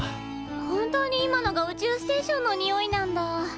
本当に今のが宇宙ステーションのにおいなんだ。